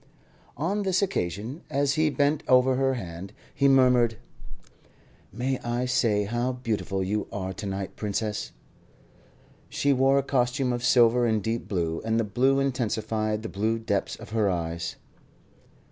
On this occasion, as he bent over her hand, he murmured: "May I say how beautiful you are to night, Princess?" She wore a costume of silver and deep blue, and the blue intensified the blue depths of her eyes.